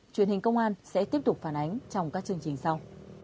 truyền hình công an sẽ tiếp tục phản ánh trong các chương trình sau